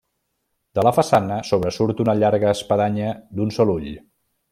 De la façana sobresurt una llarga espadanya d'un sol ull.